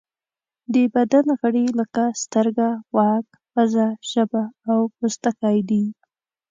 د بدن غړي لکه سترګه، غوږ، پزه، ژبه او پوستکی دي.